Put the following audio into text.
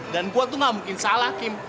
dan gue tuh gak mungkin salah kim